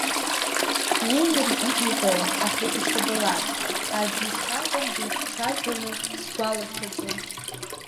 Уи иаргьы иҳәон, аха ишабалак, аӡәы ишакәым длыхцәажәоны сгәалашәаӡом.